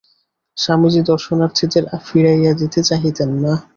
স্বামীজী দর্শনার্থীদের ফিরাইয়া দিতে চাহিতেন না।